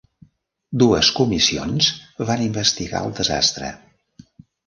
Dues comissions van investigar el desastre.